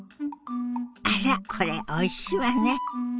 あらこれおいしいわね！